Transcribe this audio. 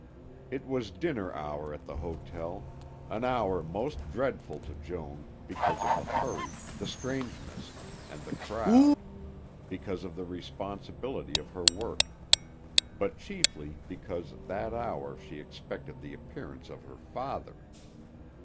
It was dinner hour at the hotel, an hour most dreadful to Joan because of the hurry, the strangeness, and the crowd, because of the responsibility of her work, but chiefly because at that hour she expected the appearance of her father.